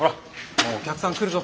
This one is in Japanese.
もうお客さん来るぞ。